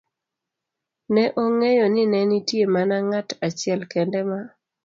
ne ong'eyo ni ne nitie mana ng'at achiel kende ma